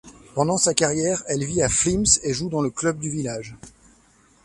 Pendant sa carrière, elle vit à Flims et joue dans le club du village.